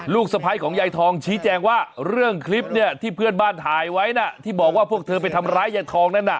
สะพ้ายของยายทองชี้แจงว่าเรื่องคลิปเนี่ยที่เพื่อนบ้านถ่ายไว้น่ะที่บอกว่าพวกเธอไปทำร้ายยายทองนั้นน่ะ